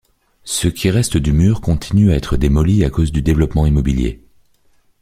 Ce qui reste du mur continue à être démoli à cause du développement immobilier.